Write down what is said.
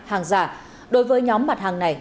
hàng giả đối với nhóm mặt hàng này